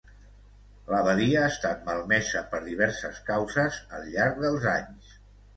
L’abadia ha estat malmesa per diverses causes al llarg dels anys.